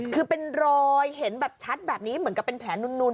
คือเป็นรอยเห็นแบบชัดแบบนี้เหมือนกับเป็นแผลนุน